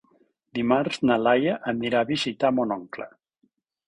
Dimarts na Laia anirà a visitar mon oncle.